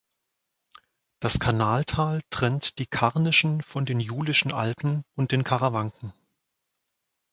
Das Kanaltal trennt die Karnischen von den Julischen Alpen und den Karawanken.